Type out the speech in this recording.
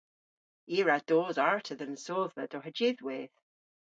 I a wra dos arta dhe'n sodhva dohajydhweyth.